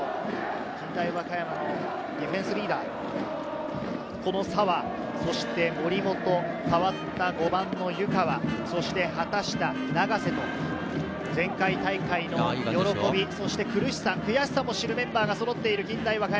近大和歌山のディフェンスリーダー、この澤、そして森本、代わった５番の湯川、そして畑下、長瀬と前回大会の喜び、そして苦しさ・悔しさを知るメンバーがそろっている近大和歌山。